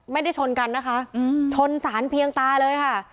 ไม่ได้ชนกันนะคะชนสารเพียงตาเลยค่ะ